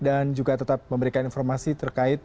dan juga tetap memberikan informasi terkait